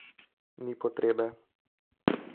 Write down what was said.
Ni potrebe.